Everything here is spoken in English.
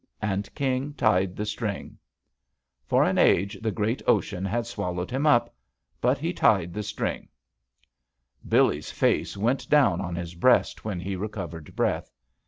And King tied the string ! For an age the great ocean had swallowed him up. But he tied the string ! JUST SWEETHEARTS Billee's face went down on his breast when he recovered breath.